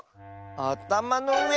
あたまのうえ？